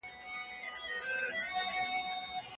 خواږه او غوړ لرونکي خواړه سستي رامنځته کوي.